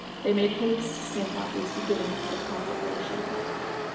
They made haste to stamp out these beginnings of conflagration.